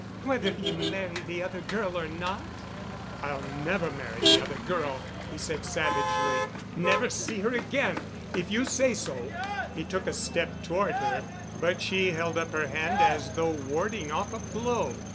"Whether you marry the other girl or not?" "I'll never marry the other girl," he said savagely, "never see her again if you say so——" He took a step toward her, but she held up her hand as though warding off a blow.